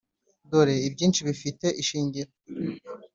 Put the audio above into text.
dore ibyinshi 'bifite ishingiro;